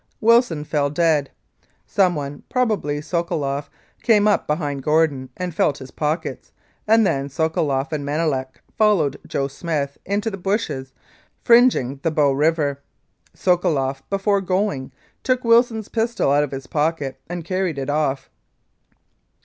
Wilson fell dead. Someone, probably Sokoloff, came up behind Gordon and felt his pockets, and then Sokoloff and Manelek followed "Joe Smith" into the bushes fringing the Bow River. Sokoloff, before going, took Wilson's pistol out of his pocket and carried it off.